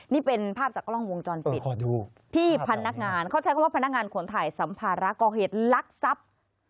นี่เป็นภาพจากกล้องวงจรปิดที่พนักงานเขาใช้คำว่าพนักงานขนถ่ายสัมภาระก่อเหตุลักษัพ